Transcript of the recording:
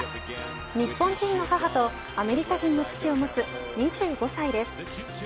日本人の母とアメリカ人の父を持つ２５歳です。